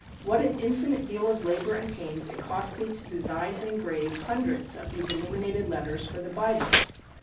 What an infinite deal of labor and pains it cost thee to design and engrave hundreds of these illuminated letters for the Bible!